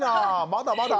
まだまだ。